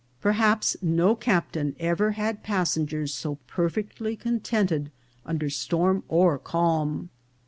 Perhaps no captain ever had passengers so perfectly contented under storm or calm.